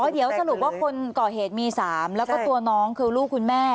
เดี๋ยวสรุปว่าคนก่อเหตุมี๓แล้วก็ตัวน้องคือลูกคุณแม่